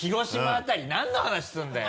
辺り何の話するんだよ。